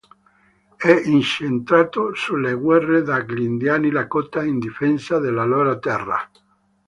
È incentrato sulle guerre degli indiani Lakota in difesa delle loro terre.